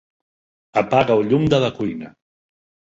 Apaga el llum de la cuina.